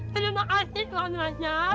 terima kasih tuan raja